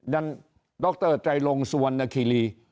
ดนตระครองสวนนกิรีย์